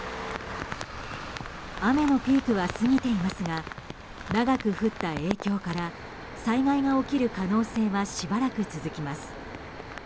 雨のピークは過ぎていますが長く降った影響から災害が起きる可能性はしばらく続きます。